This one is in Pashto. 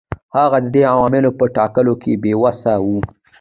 هغه د دې عواملو په ټاکلو کې بې وسه و.